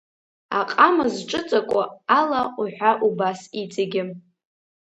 Аҟама зҿыҵаку ала уҳәа убас иҵегьы.